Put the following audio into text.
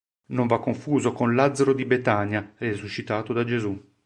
Non va confuso con Lazzaro di Betania, resuscitato da Gesù.